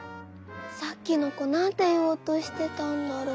「さっきのこなんていおうとしてたんだろう」。